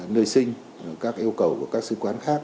nơi sinh các yêu cầu của các sứ quán khác